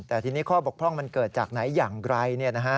แต่ทีนี้ข้อบกพร่องมันเกิดจากไหนอย่างไร